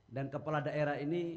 dan kepala daerah ini